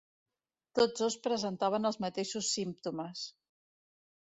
Tots dos presentaven els mateixos símptomes.